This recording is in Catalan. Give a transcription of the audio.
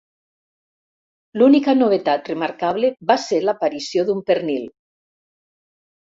L'única novetat remarcable va ser l'aparició d'un pernil.